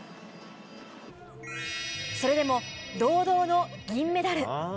それでも堂々の銀メダル。